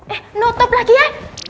eh notep lagi ya